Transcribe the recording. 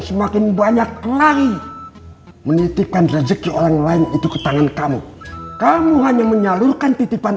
semakin banyak lagi menitipkan rezeki orang lain itu ke tangan kamu kamu hanya menyalurkan titipan